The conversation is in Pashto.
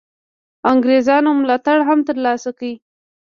انګرېزانو ملاتړ هم تر لاسه کړي.